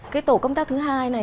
cái tổ công tác thứ hai này